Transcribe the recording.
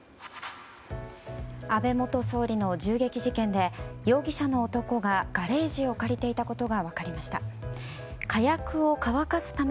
安倍元総理の銃撃事件で容疑者の男がガレージを借りていたことが分かりました。